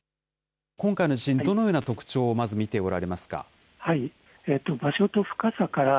今回の地震、どのような特徴をまず見ておられますか。